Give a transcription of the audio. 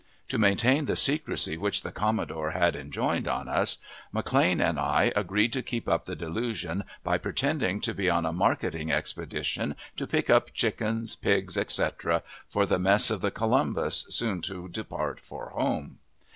To maintain the secrecy which the commodore had enjoined on us, McLane and I agreed to keep up the delusion by pretending to be on a marketing expedition to pick up chickens, pigs, etc., for the mess of the Columbus, soon to depart for home.